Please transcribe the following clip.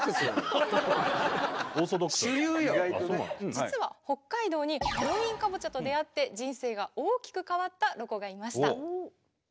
実は北海道にハロウィーンかぼちゃと出会って人生が大きく変わったロコがいました。